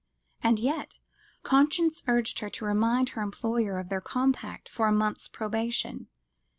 And yet, conscience urged her to remind her employer of their compact for a month's probation.